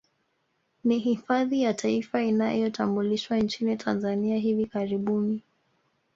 Ni hifadhi ya Taifa iliyotambulishwa nchini Tanzania hivi karibuni